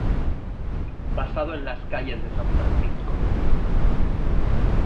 Basado en las calles de San Francisco.